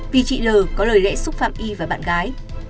vì chị l có lời lẽ xúc phạm y và bạn gái